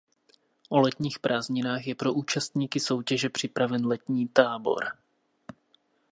O letních prázdninách je pro účastníky soutěže připraven letní tábor.